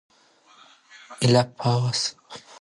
ایله پوه سو په خپل عقل غولیدلی